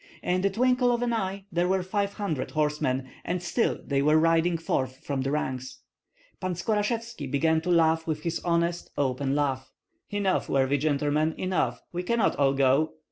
In the twinkle of an eye there were five hundred horsemen, and still they were riding forth from the ranks. Pan Skorashevski began to laugh with his honest, open laugh. "Enough, worthy gentlemen, enough! We cannot all go."